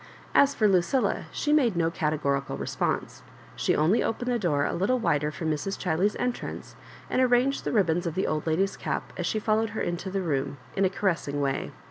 As for Lucilla, she made no categorical response; she only opened the door a little wider for Mrs. Ghiley's entrance, and arranged the ribbons of the old lady's cap, as she followed her into the toom, in a caressing way.